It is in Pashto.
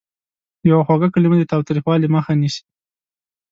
یوه خوږه کلمه د تاوتریخوالي مخه نیسي.